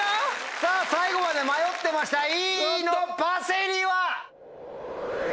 さぁ最後まで迷ってましたＥのパセリは？